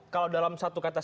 kalau dalam satu kata